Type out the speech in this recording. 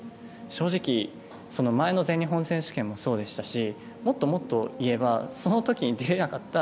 正直、前の全日本選手権もそうでしたしもっともっといえばその時に出れなかった